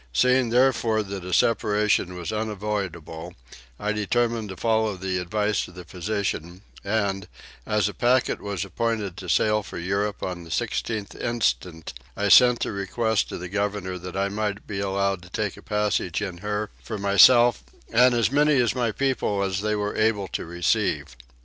Seeing therefore that a separation was unavoidable I determined to follow the advice of the physician and, as a packet was appointed to sail for Europe on the 16th instant, I sent to request of the governor that I might be allowed to take a passage in her for myself and as many of my people as they were able to receive.